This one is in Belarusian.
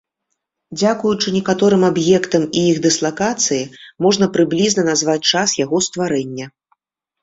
Дзякуючы некаторым аб'ектам і іх дыслакацыі можна прыблізна назваць час яго стварэння.